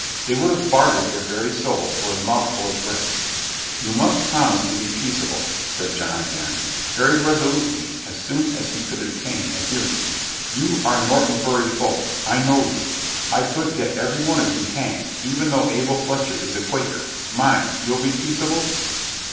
They would have bartered their very souls for a mouthful of bread. "You must promise to be peaceable," said John again, very resolutely, as soon as he could obtain a hearing. "You are Norton Bury folk, I know you. I could get every one of you hanged, even though Abel Fletcher is a Quaker. Mind, you'll be peaceable?"